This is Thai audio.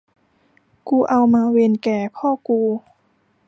กูเอามาเวนแก่พ่อกู